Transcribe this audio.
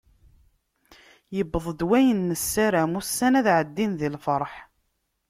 Yewweḍ-d wayen nessaram, ussan ad ɛeddin di lferḥ.